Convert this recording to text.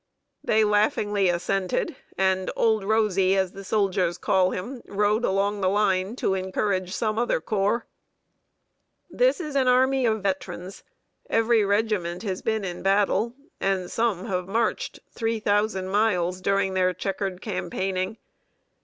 They laughingly assented, and "Old Rosy," as the soldiers call him, rode along the line, to encourage some other corps. This is an army of veterans. Every regiment has been in battle, and some have marched three thousand miles during their checkered campaigning.